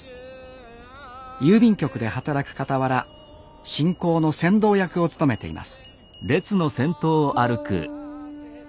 郵便局で働くかたわら信仰の先導役を務めています